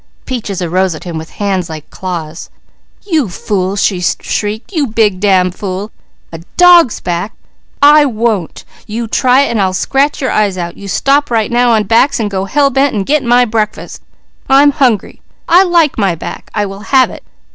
Peaches arose at him with hands set like claws. "You fool!" she shrieked. "You big damn fool! 'A dog's back!' I won't! You try it an' I'll scratch your eyes out! You stop right now on backs an' go hell bent an' get my breakfast! I'm hungry! I like my back! I will have it!